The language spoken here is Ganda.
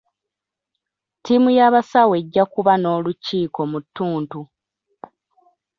Ttiimu y'abasawo ejja kuba n'olukiiko mu ttuntu.